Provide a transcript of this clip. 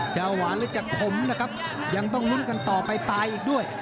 หวานหรือจะขมนะครับยังต้องลุ้นกันต่อไปปลายอีกด้วย